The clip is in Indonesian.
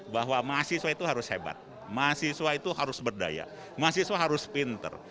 bahwa mahasiswa itu harus hebat mahasiswa itu harus berdaya mahasiswa harus pinter